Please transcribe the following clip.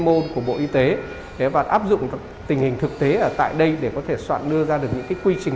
môn của bộ y tế và áp dụng tình hình thực tế ở tại đây để có thể soạn đưa ra được những quy trình